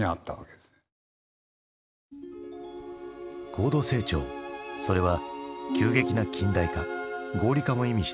高度成長それは急激な近代化合理化も意味していた。